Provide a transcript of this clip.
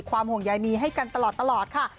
ห่วงใยมีให้กันตลอดค่ะ